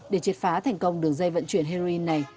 để triệt phá thành công đường dây vận chuyển heroin này